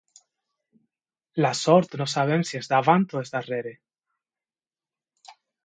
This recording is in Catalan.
La sort no sabem si és davant o si és darrere.